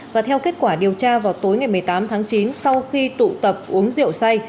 và theo kết quả điều tra vào tối ngày một mươi tám tháng chín sau khi tụ tập uống rượu say